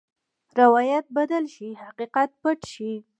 روایت بدل شي، حقیقت پټ شي.